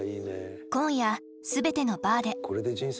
「今夜、すべてのバーで」。